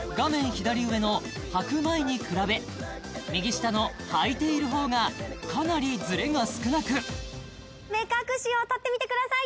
左上の履く前に比べ右下の履いているほうがかなりズレが少なく目隠しを取ってみてください